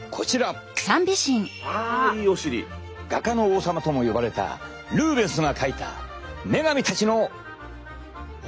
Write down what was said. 画家の王様とも呼ばれたルーベンスが描いた女神たちのお尻。